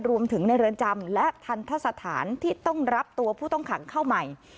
รวมถึงในเรือนจำและทันทสถานที่ต้องรับตัวผู้ต้องขังเข้าใหม่